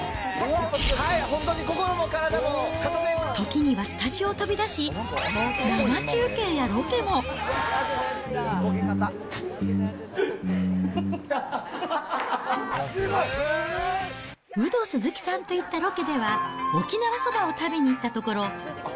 はい、時にはスタジオを飛び出し、生中継やロケも。ウド鈴木さんと行ったロケでは、沖縄そばを食べに行ったところ。